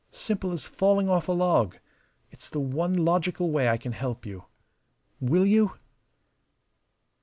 Simple as falling off a log. It's the one logical way I can help you. Will you?"